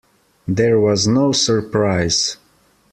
There was no surprise.